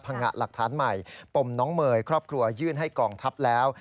งะหลักฐานใหม่ปมน้องเมย์ครอบครัวยื่นให้กองทัพแล้ว